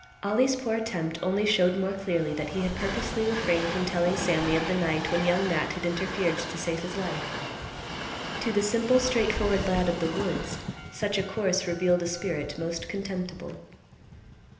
Ollie's poor attempt only showed more clearly that he had purposely refrained from telling Sammy of the might when Young Matt had interfered to save his life. To the simple straight forward lad of the woods, such a course revealed a spirit most contemptible.